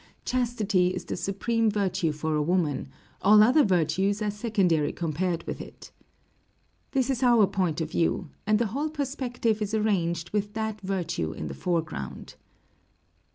Chastity is the supreme virtue for a woman; all other virtues are secondary compared with it. This is our point of view, and the whole perspective is arranged with that virtue in the foreground.